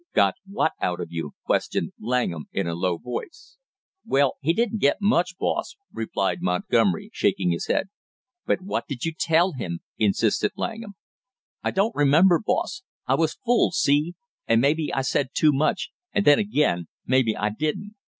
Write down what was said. "Got what out of you?" questioned Langham in a low voice. "Well, he didn't get much, boss," replied Montgomery, shaking his head. "But what did you tell him?" insisted Langham. "I don't remember, boss, I was full, see and maybe I said too much and then agin maybe I didn't!"